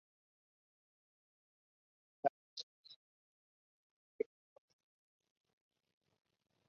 La primera está orquestada para dos oboes, fagot, dos trompas y cuerdas.